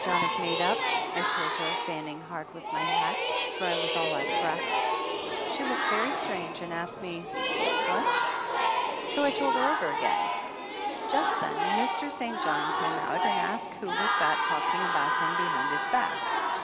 John have made up !" I told her, fanning hard with my hat, for I was all out of breath. She looked very strange and asked me, "What?" and so I told her over again. Just then Mr. St. John came out and asked who was that talking about him behind his back.